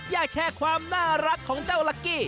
อยากแชร์ความน่ารักของเจ้าลักกี้